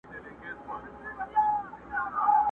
خدای قادر دی او نظر یې همېشه پر لویو غرونو.!